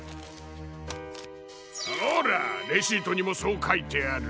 ほらレシートにもそうかいてある。